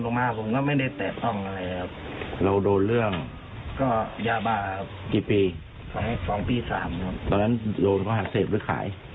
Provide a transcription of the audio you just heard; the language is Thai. ตอนนั้นโดและเขาหังเสพหรือขาย